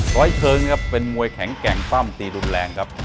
ร้อยเชิงครับเป็นมวยแข็งแกร่งปั้มตีรุนแรงครับ